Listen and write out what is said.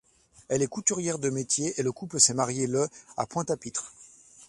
Elle est couturière de métier et le couple s'est marié le à Pointe-à-Pitre.